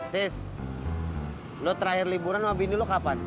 tis lo terakhir liburan sama bini lo kapan